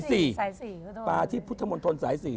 ใส่ปลาที่ของพุทธมณฑฐรใส่เนี้ย